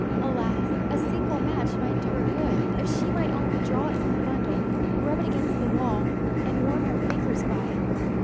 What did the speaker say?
Alas! a single match might do her good if she might only draw it from the bundle, rub it against the wall, and warm her fingers by it.